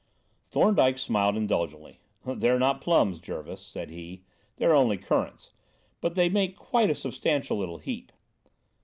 Thorndyke smiled indulgently. "They're not plums, Jervis," said he; "they're only currants, but they make quite a substantial little heap."